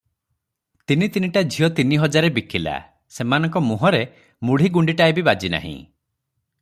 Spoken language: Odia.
ତିନି ତିନିଟା ଝିଅ ତିନି ହଜାରେ ବିକିଲା, ସେମାନଙ୍କ ମୁହଁରେ ମୁଢ଼ି ଗୁଣ୍ଡିଟାଏ ବି ବାଜି ନାହିଁ ।